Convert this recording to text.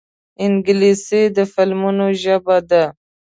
انګلیسي د فلمونو ژبه ده